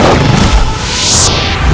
sampai jumpa lagi